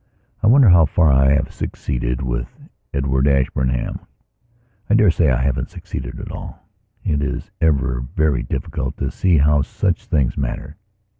I wonder how far I have succeeded with Edward Ashburnham. I dare say I haven't succeeded at all. It is ever very difficult to see how such things matter.